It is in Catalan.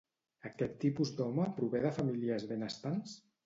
Aquest tipus d'home prové de famílies benestants?